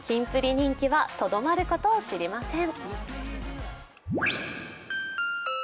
人気はとどまることを知りません。